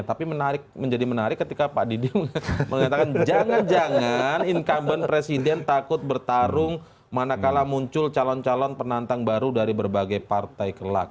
tapi menarik menjadi menarik ketika pak didi mengatakan jangan jangan incumbent presiden takut bertarung manakala muncul calon calon penantang baru dari berbagai partai kelak